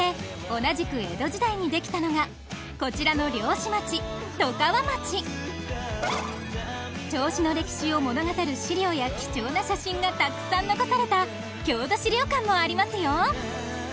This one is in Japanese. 同じく江戸時代に出来たのがこちらの漁師町銚子の歴史を物語る資料や貴重な写真がたくさん残された郷土資料館もありますよ